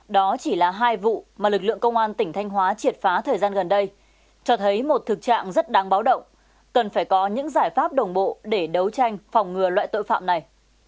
đó chỉ là hai vụ mà lực lượng công an tỉnh thanh hóa triệt phá thời gian gần đây cho thấy một thực trạng rất đáng báo động cần phải có những giải pháp đồng bộ để đấu tranh phòng ngừa loại tội phạm này